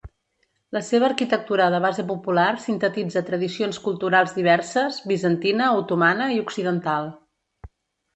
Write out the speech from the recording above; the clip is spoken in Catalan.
La seva arquitectura de base popular sintetitza tradicions culturals diverses, bizantina, otomana i occidental.